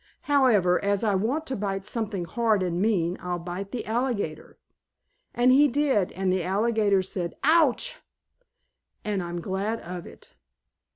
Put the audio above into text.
However, as I want to bite something hard and mean I'll bite the alligator." And he did and the alligator said "Ouch!" and I'm glad of it.